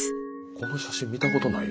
この写真見たことない。